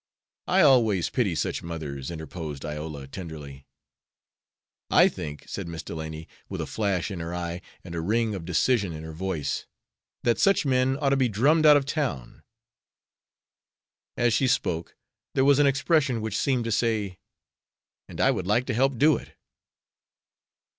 "I always pity such mothers," interposed Iola, tenderly. "I think," said Miss Delany, with a flash in her eye and a ring of decision in her voice, "that such men ought to be drummed out of town!" As she spoke, there was an expression which seemed to say, "And I would like to help do it!"